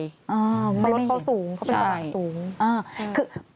เพราะรถเขาสูงเขาเป็นกระบะสูง